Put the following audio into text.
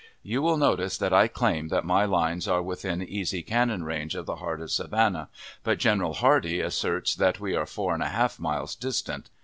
You will notice that I claim that my lines are within easy cannon range of the heart of Savannah; but General Hardee asserts that we are four and a half miles distant.